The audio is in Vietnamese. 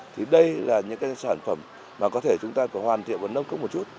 thì đây là những sản phẩm mà có thể chúng ta có hoàn thiện vận động có một chút